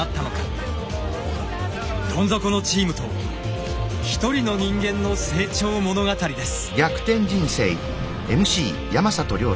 どん底のチームと一人の人間の成長物語です。